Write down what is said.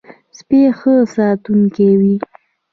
سپي ښه ساتونکی وي.